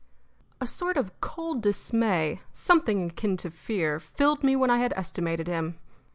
A sort of cold dismay something akin to fear filled me when I had estimated him.